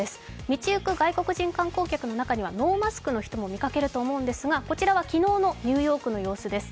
道行く外国人観光客の中には、ノーマスクの方も見掛けると思うんですが、こちらは昨日のニューヨークの様子です。